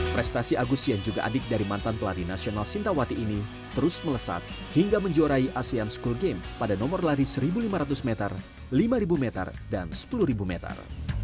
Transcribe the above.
prestasi agus yang juga adik dari mantan pelari nasional sintawati ini terus melesat hingga menjuarai asean school game pada nomor lari satu lima ratus meter lima meter dan sepuluh meter